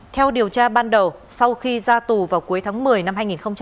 theo điều tra ban đầu sau khi ra tù vào cuối tháng một mươi năm hai nghìn hai mươi